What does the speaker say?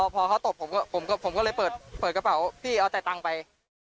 พอเขาตบผมก็เลยเปิดกระเป๋าพี่เอาแต่ตังค์ไป